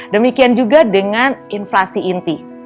demikian juga dengan inflasi inti